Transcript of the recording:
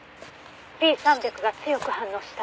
「Ｐ３００が強く反応した」